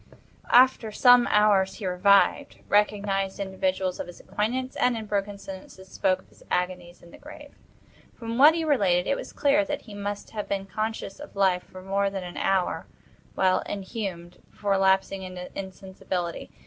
After some hours he revived, recognized individuals of his acquaintance, and, in broken sentences spoke of his agonies in the grave. From what he related, it was clear that he must have been conscious of life for more than an hour, while inhumed, before lapsing into insensibility.